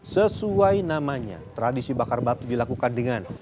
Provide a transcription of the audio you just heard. sesuai namanya tradisi bakar batu dilakukan dengan